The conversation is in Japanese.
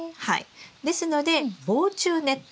ですので防虫ネット。